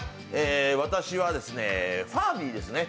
私はファービーですね